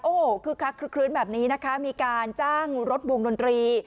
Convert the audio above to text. โอ้โหคลื่นแบบนี้นะคะมีการจ้างรถวงดนตรี